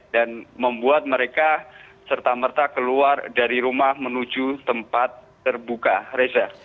dan membuat mereka serta merta keluar dari rumah menuju tempat terbuka reza